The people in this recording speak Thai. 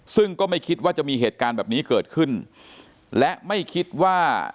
ซึ่งก็ไม่คิดว่าจะมีเหตุการณ์แบบนี้เกิดขึ้นและไม่คิดว่า